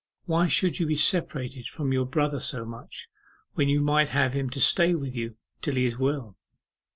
Why should you be separated from your brother so much, when you might have him to stay with you till he is well?